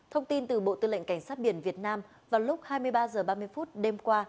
thông tin từ bộ tư lệnh cảnh sát biển việt nam vào lúc hai mươi ba h ba mươi phút đêm qua